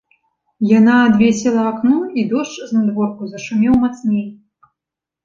Яна адвесіла акно, і дождж знадворку зашумеў мацней.